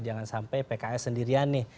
jangan sampai pks sendirian nih